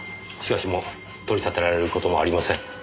しかしもう取り立てられる事もありません。